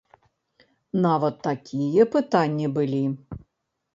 Нават такія пытанні былі?